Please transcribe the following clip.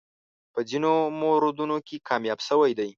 په ځینو موردونو کې کامیاب شوی دی.